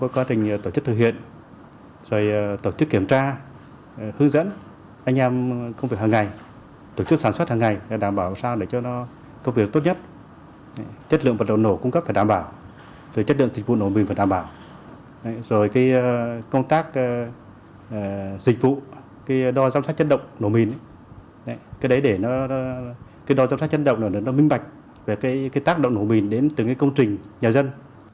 cái đo giám sát chất động nổ mìn cái đó để nó cái đo giám sát chất động nó nó minh mạch về cái tác động nổ mìn đến từng cái công trình nhà dân